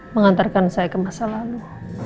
mengantarkan saya ke masa lalu